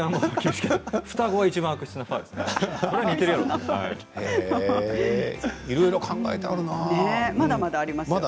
双子はいちばん悪質ですよね。